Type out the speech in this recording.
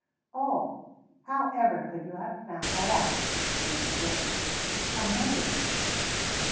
"Oh, how ever could you have found that out?" she exclaimed, amazed.